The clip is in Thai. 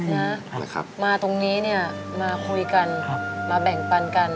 นะมาตรงนี้เนี่ยมาคุยกันมาแบ่งปันกัน